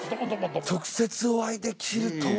直接お会いできるとは。